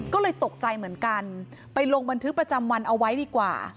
ก็เลยตกใจเหมือนกันไปลงบันทึกประจำวันเอาไว้ดีกว่า